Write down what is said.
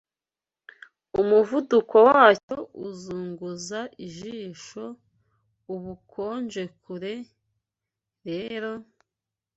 Umuvuduko wacyo uzunguza ijisho, Ubukonje kure; rero,